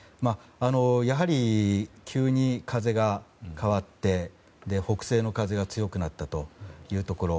やはり急に風が変わって北西の風が強くなったというところ。